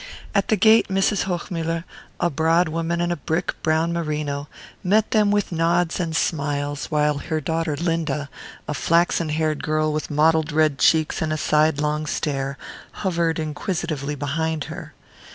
At the gate Mrs. Hochmuller, a broad woman in brick brown merino, met them with nods and smiles, while her daughter Linda, a flaxen haired girl with mottled red cheeks and a sidelong stare, hovered inquisitively behind her.